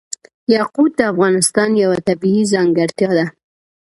یاقوت د افغانستان یوه طبیعي ځانګړتیا ده.